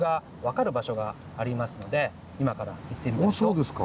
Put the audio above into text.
そうですか